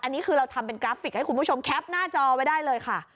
อันนี้คือเราทำเป็นกราฟิกให้คุณผู้ชมแคปหน้าจอไว้ได้เลยค่ะ